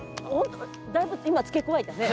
だいぶ今付け加えたね。